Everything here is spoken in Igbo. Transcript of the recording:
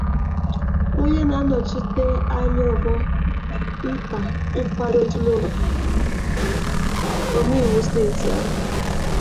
onye na-anọchite anya ọgbọ nta nkwàdo Itu n'ụlọ omeiwu steeti ahụ